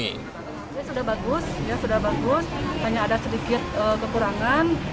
ini sudah bagus hanya ada sedikit kekurangan